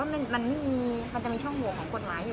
มันจะมีช่องหัวของกฎหมายอยู่